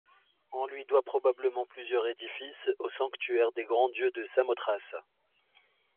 On lui doit probablement plusieurs édifices au sanctuaire des Grands Dieux de Samothrace.